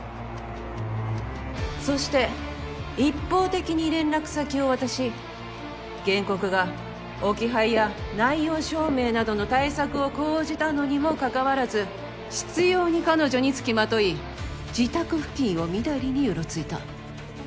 そして一方的に連絡先を渡し原告が置き配や内容証明などの対策を講じたのにもかかわらず執拗に彼女につきまとい自宅付近をみだりにうろついた。